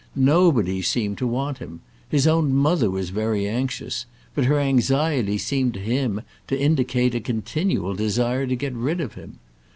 Nobody seemed to want him. His own mother was very anxious; but her anxiety seemed to him to indicate a continual desire to get rid of him.